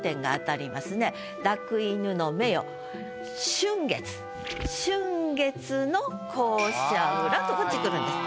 春月春月の校舎裏」とこっち来るんです。